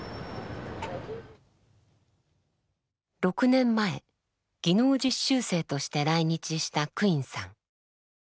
６年前技能実習生として来日したクインさん。